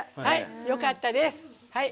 よかったです。